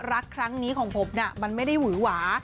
รักครั้งนี้ของผมน่ะมันไม่ได้หวือหวา